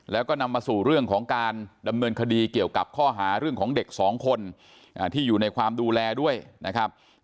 แล้วก็นำมาสู่เรื่องของการดำเนินคดีเกี่ยวกับข้อหาเรื่องของเด็กสองคนที่อยู่ในความดูแลด้วยนะครับ